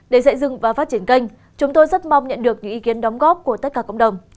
để xây dựng và phát triển kênh chúng tôi rất mong nhận được những ý kiến đóng góp của tất cả cộng đồng